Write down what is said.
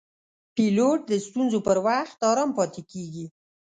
پیلوټ د ستونزو پر وخت آرام پاتې کېږي.